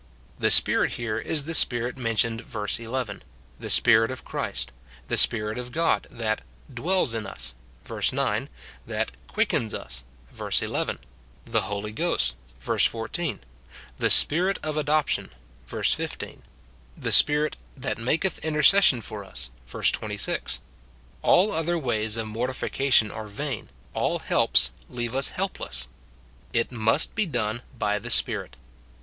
The Spirit here is the Spirit mentioned verse 11, the Spirit of Christ, the Spirit of God, that " dwells in SININBELIEVERS. 149 US," verse 9, that "quickens us," verse 11; "the Holy Ghost," verse 14;* the "Spirit of adoption," verse 15; the Spirit "that maketh intercession for us," verse 26. All other ways of mortification are vain, all helps leave us helpless ; it must be done by the Spirit.